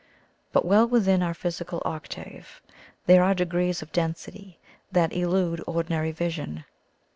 But well within our phys ical octave there are degrees of density that elude ordinary vision.